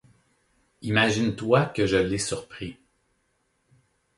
Imagine-toi que je l'ai surpris.